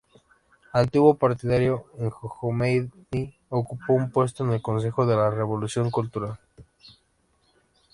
Antiguo partidario de Jomeini, ocupó un puesto en el Consejo de la Revolución Cultural.